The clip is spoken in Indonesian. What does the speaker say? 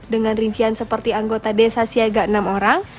dengan rincian seperti anggota desa siaga enam orang